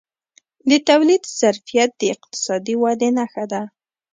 د تولید ظرفیت د اقتصادي ودې نښه ده.